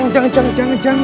jangan jangan jangan jangan